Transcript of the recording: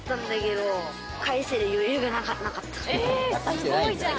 すごいじゃん！